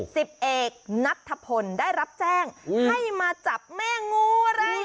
สิบเอกนัทธพลได้รับแจ้งให้มาจับแม่งูอะไร